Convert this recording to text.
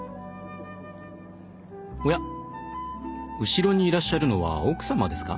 後ろにいらっしゃるのは奥様ですか？